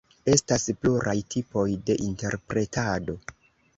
Estas pluraj tipoj de interpretado.